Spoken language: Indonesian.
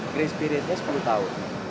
grace periodnya sepuluh tahun